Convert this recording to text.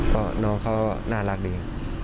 เพราะน้องเขาน่ารักดี